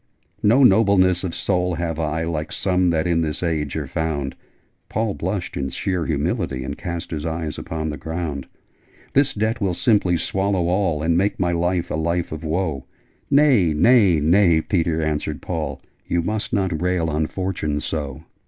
'No Nobleness of soul have I, Like some that in this Age are found!' (Paul blushed in sheer humility, And cast his eyes upon the ground) 'This debt will simply swallow all, And make my life a life of woe!' 'Nay, nay, nay Peter!' answered Paul. 'You must not rail on Fortune so!